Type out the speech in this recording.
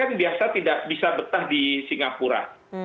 kan biasa tidak bisa betah di singapura